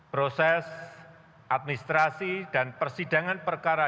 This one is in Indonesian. proses administrasi dan persidangan perkara